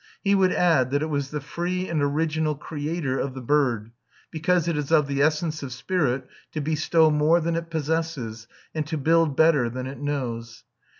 He would add that it was the free and original creator of the bird, because it is of the essence of spirit to bestow more than it possesses and to build better than it knows.